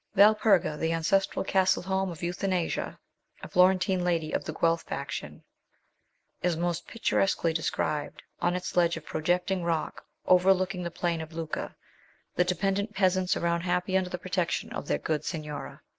Valperga, the ancestral castle home of Euthanasia, a Florentine lady of the Guelph faction, is most picturesquely described, on its ledge of projecting rock, overlooking the plain of Lucca; the dependent peasants around happy under the protection of their good Signora.